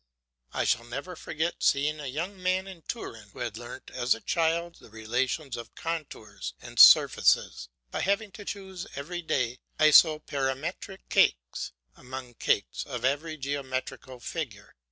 I shall never forget seeing a young man at Turin, who had learnt as a child the relations of contours and surfaces by having to choose every day isoperimetric cakes among cakes of every geometrical figure.